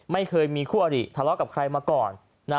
ไม่เคยมีคู่อริทะเลาะกับใครมาก่อน